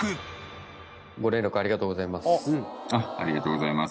ありがとうございます。